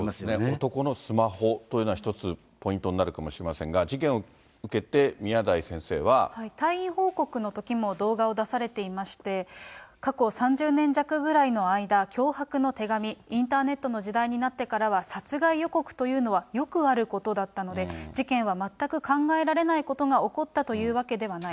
男のスマホというのは一つポイントになるかもしれませんが、退院報告のときも動画を出されていまして、過去３０年弱ぐらいの間、脅迫の手紙、インターネットの時代になってからは、殺害予告というのはよくあることだったので、事件は全く考えられないことが起こったというわけではない。